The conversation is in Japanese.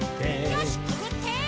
よしくぐって！